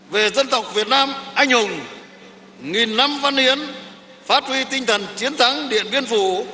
về dân tộc việt nam anh hùng nghìn năm văn hiến phát huy tinh thần chiến thắng điện biên phủ